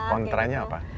kontra nya apa